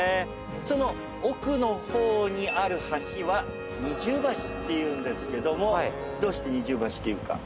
その奥の方にある橋は。っていうんですけどもどうして二重橋っていうか。